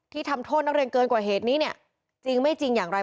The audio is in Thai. ทำโทษนักเรียนเกินกว่าเหตุนี้เนี่ยจริงไม่จริงอย่างไร